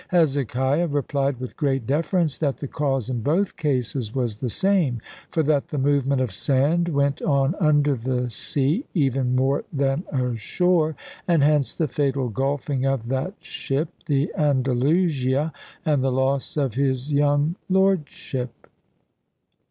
Hezekiah replied, with great deference, that the cause in both cases was the same, for that the movement of sand went on under the sea even more than ashore, and hence the fatal gulfing of that ship, the Andalusia, and the loss of his young lordship.